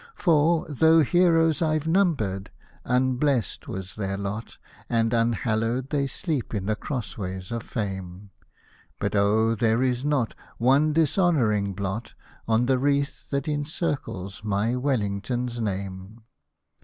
For, though Heroes I've numbered, unblest was their lot. And unhallowed they sleep in the cross ways of Fame ;—• But oh ! there is not One dishonouring blot On the wreath that encircles my Wellington's name.